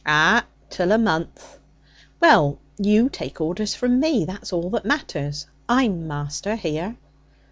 'Ah! Till a month.' 'Well, you take orders from me; that's all that matters. I'm master here.'